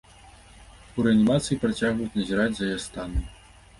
У рэанімацыі працягваюць назіраць за яе станам.